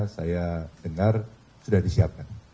saya dengar sudah disiapkan